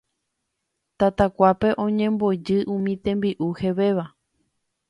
Tatakuápe oñembojy umi tembi'u hevéva